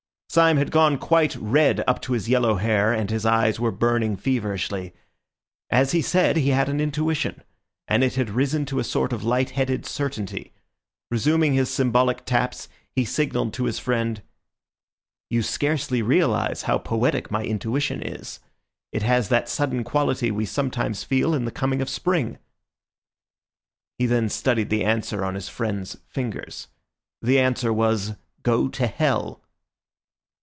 Syme had gone quite red up to his yellow hair, and his eyes were burning feverishly. As he said he had an intuition, and it had risen to a sort of lightheaded certainty. Resuming his symbolic taps, he signalled to his friend, "You scarcely realise how poetic my intuition is. It has that sudden quality we sometimes feel in the coming of spring." He then studied the answer on his friend's fingers. The answer was, "Go to hell!"